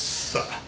さあ。